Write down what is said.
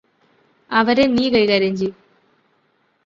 അവരെ നീ കൈകാര്യം ചെയ്യ്